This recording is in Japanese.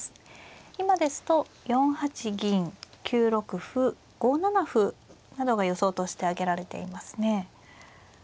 今ですと４八銀９六歩５七歩などが予想として挙げられていますね。